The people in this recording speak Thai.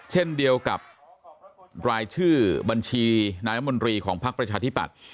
เช่นเดียวกับรายชื่อบัญชีนายมนตรีของพักประชาธิปัตย์